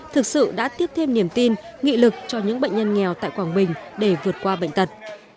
thực sự đã tiếp thêm niềm tin nghị lực cho những bệnh nhân nghèo tại quảng bình để vượt qua bệnh tật